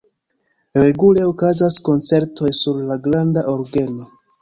Regule okazas koncertoj sur la granda orgeno.